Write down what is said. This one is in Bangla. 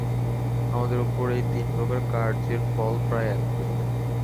আমাদের উপর এই তিন প্রকার কার্যের ফল প্রায় একরূপ।